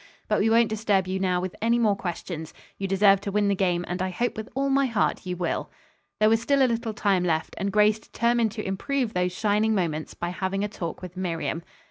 But we won't disturb you now with any more questions. You deserve to win the game and I hope with all my heart you will." There was still a little time left and Grace determined to improve those shining moments by having a talk with Miriam.